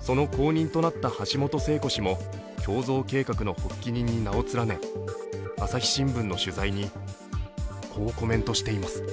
その後任となった橋本聖子氏も胸像計画の発起人に名を連ね、朝日新聞の取材にこうコメントしています。